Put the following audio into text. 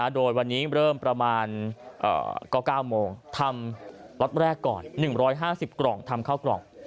โดยวันนี้เริ่มประมาณก็๙โมงทำล็อตแรกก่อน๑๕๐กล่องทำข้าวกล่อง